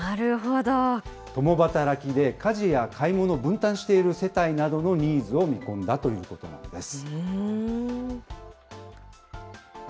共働きで、家事や買い物を分担している世帯などのニーズを見込んだということなんです。